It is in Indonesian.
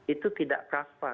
itu tidak kafa